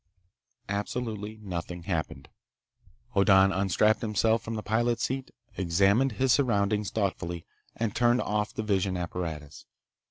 Absolutely nothing happened. Hoddan unstrapped himself from the pilot's seat, examined his surroundings thoughtfully, and turned off the vision apparatus.